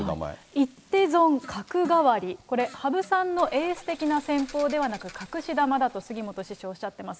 一手損角換わり、これ、羽生さんのエース的な戦法ではなく、隠し玉だと、杉本師匠、おっしゃっています。